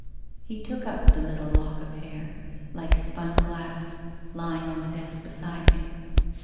He took up the little lock of hair, like spun glass, lying on the desk beside him.